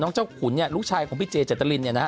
เจ้าขุนเนี่ยลูกชายของพี่เจเจตรินเนี่ยนะฮะ